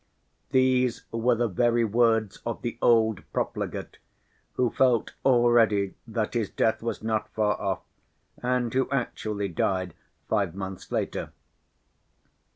These were the very words of the old profligate, who felt already that his death was not far off and who actually died five months later.